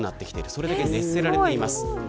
それだけ、熱せられています。